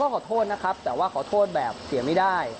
ก็ขอโทษแต่ว่าขอโทษแบบเสียไม่ได้